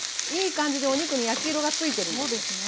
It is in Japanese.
いい感じでお肉に焼き色がついてるんです。